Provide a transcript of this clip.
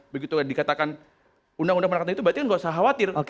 begitu dikatakan undang undang penangkapan itu berarti kan nggak usah khawatir